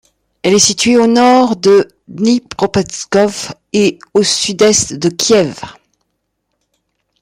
Elle est située à au nord de Dnipropetrovsk et à au sud-est de Kiev.